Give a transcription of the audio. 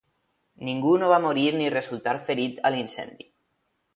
Ningú no va morir ni resultar ferit a l'incendi.